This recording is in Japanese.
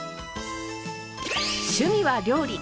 趣味は料理。